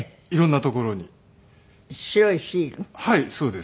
はいそうです。